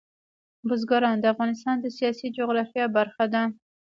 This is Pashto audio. بزګان د افغانستان د سیاسي جغرافیه برخه ده.